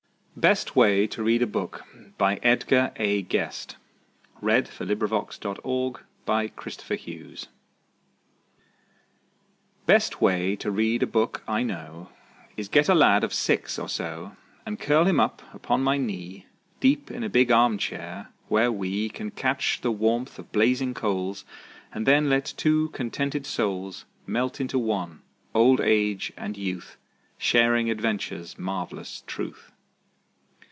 Best Way to Read a Book Best way to read a book I know Is get a lad of six or so, And curl him up upon my knee Deep in a big arm chair, where we Can catch the warmth of blazing coals, And then let two contented souls Melt into one, old age and youth, Sharing adventure's marvelous truth.